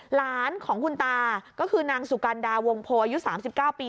หลานของคุณตาก็คือนางสุกันดาวงโพอายุ๓๙ปี